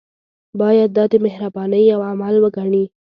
باید دا د مهربانۍ یو عمل وګڼي.